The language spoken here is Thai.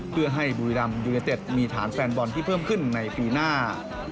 เพื่อให้บุรีรัมยูเนเต็ดมีฐานแฟนบอลที่เพิ่มขึ้นในปีหน้า